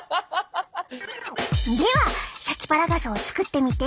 ではシャキパラガスを作ってみて！